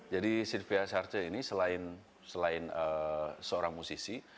jadi sylvia sarce ini selain seorang musisi